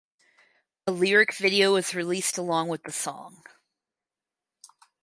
A lyric video was released along with the song.